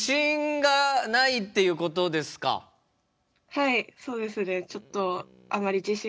はいそうですね。